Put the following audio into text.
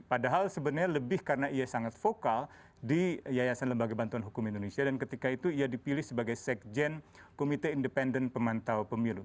padahal sebenarnya lebih karena ia sangat vokal di yayasan lembaga bantuan hukum indonesia dan ketika itu ia dipilih sebagai sekjen komite independen pemantau pemilu